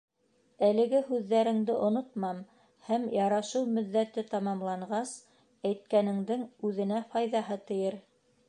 — Әлеге һүҙҙәреңде онотмам һәм, ярашыу мөҙҙәте тамамланғас, әйткәнеңдең үҙеңә файҙаһы тейер.